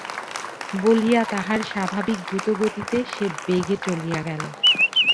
বলিয়া তাহার স্বাভাবিক দ্রুতগতিতে সে বেগে চলিয়া গেল।